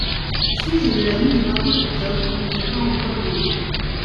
Suite de la nuit du vingt-neuf octobre. — Il n’est pas encore minuit.